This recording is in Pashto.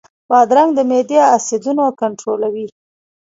بادرنګ د معدې اسیدونه کنټرولوي.